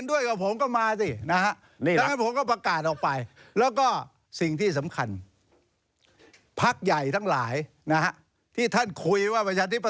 นี่นี่นี่นี่นี่นี่นี่นี่นี่